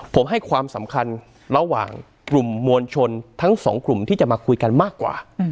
ผมให้ความสำคัญระหว่างกลุ่มมวลชนทั้งสองกลุ่มที่จะมาคุยกันมากกว่า